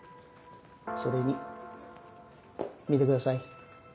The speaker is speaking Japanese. それに見てください。